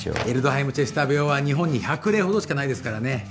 エルドハイム・チェスター病は日本に１００例ほどしかないですからね。